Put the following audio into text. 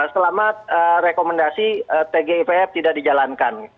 selama rekomendasi tgipf tidak dijalankan